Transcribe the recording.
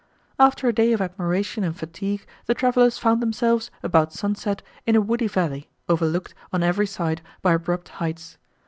After a day of admiration and fatigue, the travellers found themselves, about sunset, in a woody valley, overlooked, on every side, by abrupt heights.